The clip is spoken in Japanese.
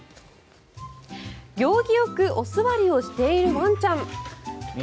行儀よくお座りをしているワンちゃん。